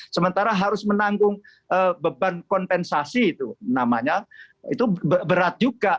sementara harus menanggung beban kompensasi itu namanya itu berat juga